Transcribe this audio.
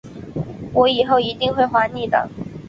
我以后一定会还你的